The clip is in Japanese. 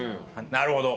なるほど。